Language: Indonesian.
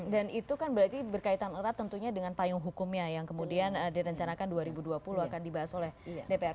dan itu kan berarti berkaitan erat tentunya dengan tayung hukumnya yang kemudian direncanakan dua ribu dua puluh akan dibahas oleh dpr